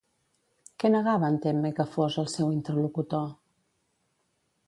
Què negava en Temme que fos, el seu interlocutor?